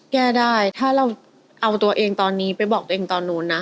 แก้ได้ถ้าเราเอาตัวเองตอนนี้ไปบอกตัวเองตอนนู้นนะ